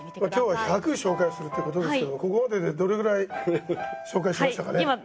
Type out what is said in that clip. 今日は１００紹介するっていうことですけどもここまででどれぐらい紹介しましたかね？